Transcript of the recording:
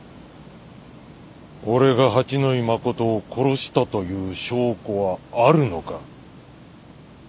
俺が八野衣真を殺したという証拠はあるのか？